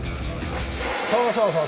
そうそうそう。